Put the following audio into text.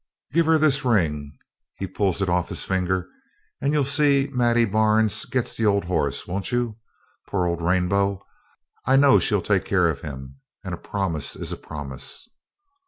'Give her this ring,' he pulls it off his finger, 'and you'll see Maddie Barnes gets the old horse, won't you? Poor old Rainbow! I know she'll take care of him; and a promise is a promise.'